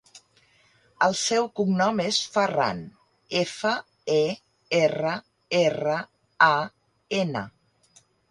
El seu cognom és Ferran: efa, e, erra, erra, a, ena.